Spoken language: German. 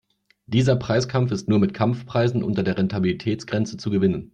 Dieser Preiskampf ist nur mit Kampfpreisen unter der Rentabilitätsgrenze zu gewinnen.